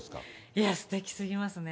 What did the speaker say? いや、すてきすぎますね。